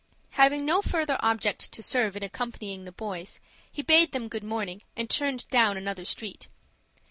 Having no further object to serve in accompanying the boys, he bade them good morning, and turned down another street.